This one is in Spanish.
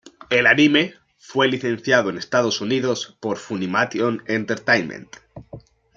El anime fue licenciado en Estados Unidos por Funimation Entertainment.